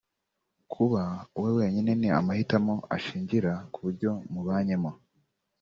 kuba uwe wenyine ni amahitamo ashingira ku buryo mubanyemo